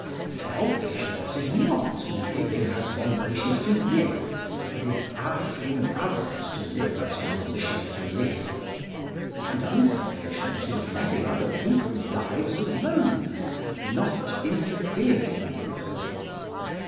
Selfishness is not living as one wishes to live, it is asking others to live as one wishes to live. And unselfishness is letting other people's lives alone, not interfering with them.